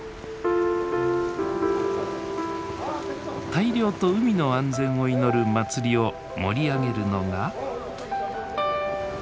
大漁と海の安全を祈る祭りを盛り上げるのが。